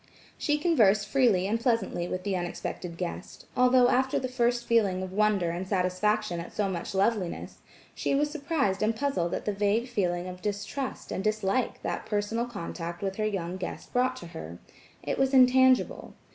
She conversed freely and pleasantly with the unexpected guest, although after the first feeling of wonder and satisfaction at so much loveliness, she was surprised and puzzled at the vague feeling of distrust and dislike that personal contact with her young guest brought to her. It was intangible.